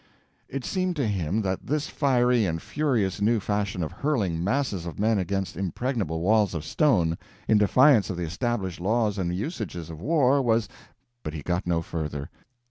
It seemed to him that this fiery and furious new fashion of hurling masses of men against impregnable walls of stone, in defiance of the established laws and usages of war, was— But he got no further.